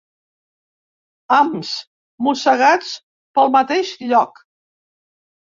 Hams mossegats pel mateix lloc.